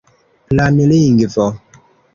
planlingvo